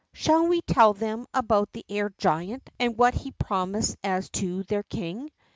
Shall we tell them about the air giant, and what he promised as to their king?